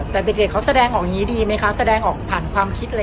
แต่เด็กเขาแสดงออกอย่างนี้ดีไหมคะแสดงออกผ่านความคิดอะไร